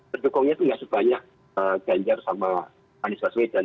terdukungnya itu tidak sebanyak ganjar sama hanis baswedan